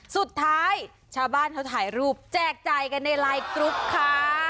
สุดท้ายชาวบ้านเขาถ่ายรูปแจกจ่ายกันในไลน์กรุ๊ปค่ะ